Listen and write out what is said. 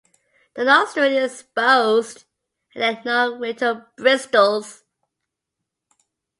The nostril is exposed and there are no rictal bristles.